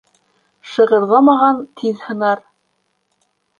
Шығырҙамаған тиҙ һынар.